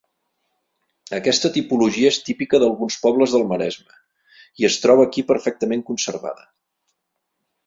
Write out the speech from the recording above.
Aquesta tipologia és típica d'alguns pobles del Maresme i es troba aquí perfectament conservada.